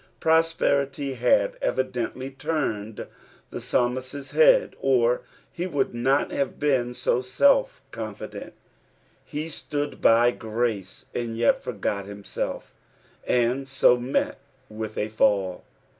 Prosperity lisd evi deutly turned the psalmist's head, or he would nut have been so self confident He stood bj Kface, and yet forgot himself, and so met with a fall.